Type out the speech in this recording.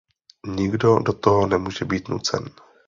Nikdo do toho nemůže být nucen.